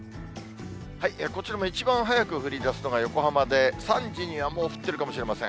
こちらも一番早く降りだすのが横浜で、３時にはもう降ってるかもしれません。